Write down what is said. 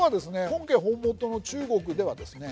本家本元の中国ではですね